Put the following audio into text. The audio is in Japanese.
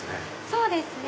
そうですね。